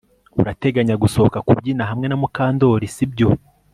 Urateganya gusohoka kubyina hamwe na Mukandoli sibyo